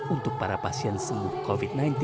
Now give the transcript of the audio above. untuk para pasien sembuh covid sembilan belas